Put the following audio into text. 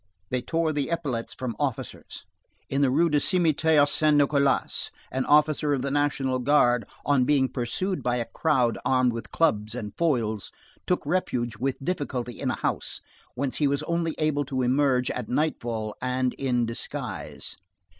They tore the epaulets from officers. In the Rue du Cimitière Saint Nicholas, an officer of the National Guard, on being pursued by a crowd armed with clubs and foils, took refuge with difficulty in a house, whence he was only able to emerge at nightfall and in disguise.